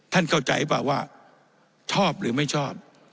ท่านเข้าใจป่ะว่าชอบหรือไม่ชอบ